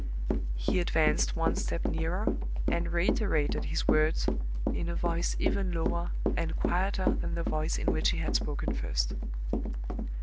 He advanced one step nearer, and reiterated his words in a voice even lower and quieter than the voice in which he had spoken first.